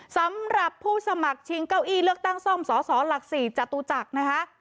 สำหรับผู้สมัครชิงเก้าอี้เลือกตั้งซ่อมสสหลัก๔จตุจักรนะคะ